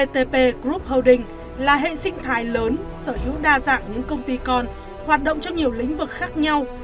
tinh thái lớn sở hữu đa dạng những công ty con hoạt động trong nhiều lĩnh vực khác nhau